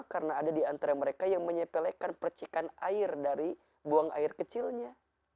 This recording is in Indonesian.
karena ada di antara mereka yang menyepelekan percikan air dari buang air kecilnya